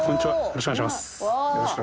よろしくお願いします。